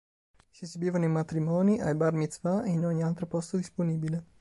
Si esibivano ai matrimoni, ai Bar mitzvah e in ogni altro posto disponibile.